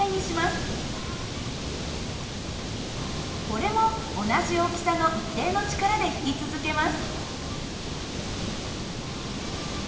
これも同じ大きさの一定の力で引き続けます。